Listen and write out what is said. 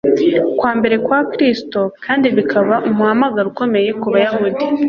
kwa mbere kwa Kristo kandi bikaba umuhamagaro ukomeye ku bayuda,